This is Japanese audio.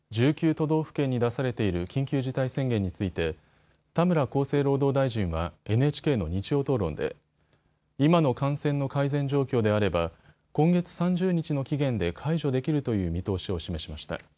都道府県に出されている緊急事態宣言について田村厚生労働大臣はＮＨＫの日曜討論で今の感染の改善状況であれば今月３０日の期限で解除できるという見通しを示しました。